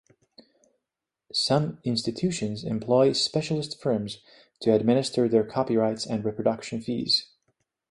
Some institutions employ specialist firms to administer their copyrights and reproduction fees.